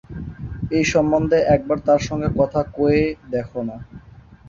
এ সম্বন্ধে একবার তাঁর সঙ্গে কথা কয়েই দেখো-না।